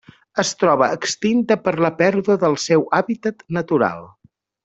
Es troba extinta per la pèrdua del seu hàbitat natural.